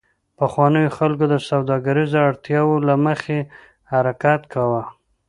پخوانیو خلکو د سوداګریزو اړتیاوو له مخې حرکت کاوه